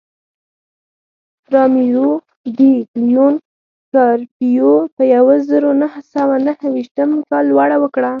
رامیرو ډي لیون کارپیو په یوه زرو نهه سوه نهه ویشتم کال لوړه وکړه.